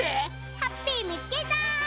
ハッピーみつけた！